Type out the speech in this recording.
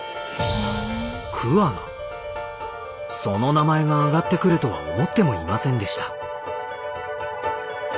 その名前があがってくるとは思ってもいませんでした。